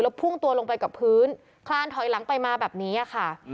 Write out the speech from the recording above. พุ่งตัวลงไปกับพื้นคลานถอยหลังไปมาแบบนี้ค่ะ